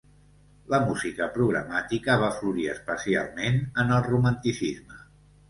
La música programàtica va florir especialment en el Romanticisme.